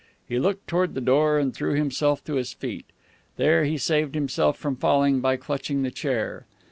He looked toward the door and drew himself to his feet. There he saved himself from falling by clutching the chair.